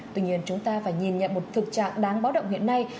tuy nhiên chúng ta phải nhìn nhận một thực trạng đáng báo động hiện nay